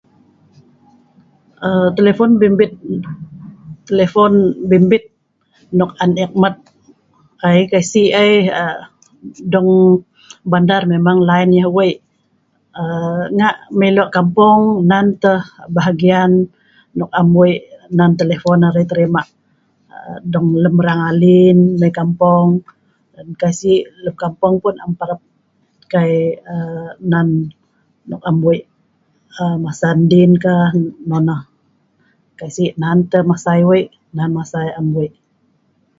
um telepon bimbit telefon bimbit nok an eek mat ai, ke'si' ai um dong lem bandar memang layin yah wei'. um nga' mai lok kampung nan tah bahagian nok am wei am telepon arai trima um dong lem rang alin lem kampung, lem ke'si' kampung pun am parap kai um nan nok am wei' um masa diin ka nonoh. kai'si' nan masa yah wei nan masa yah am wei.